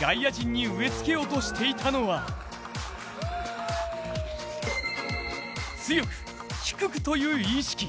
外野陣に植えつけようとしていたのは強く、低くという意識。